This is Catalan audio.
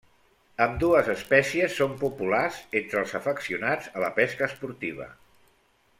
Ambdues espècies són populars entre els afeccionats a la pesca esportiva.